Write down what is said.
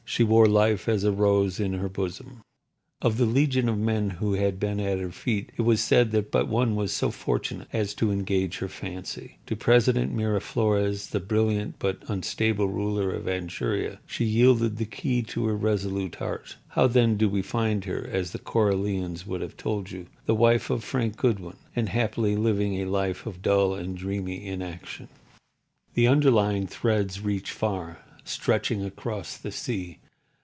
She wore life as a rose in her bosom. Of the legion of men who had been at her feet it was said that but one was so fortunate as to engage her fancy. To President Miraflores, the brilliant but unstable ruler of Anchuria, she yielded the key to her resolute heart. How, then, do we find her (as the Coralians would have told you) the wife of Frank Goodwin, and happily living a life of dull and dreamy inaction? The underlying threads reach far, stretching across the sea.